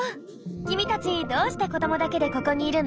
君たちどうして子どもだけでここにいるの？